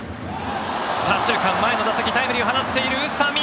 左中間、前の打席タイムリーを放っている宇佐見